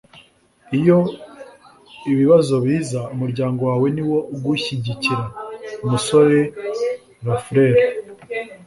iyo ibibazo biza, umuryango wawe niwo ugushyigikira. - umusore lafleur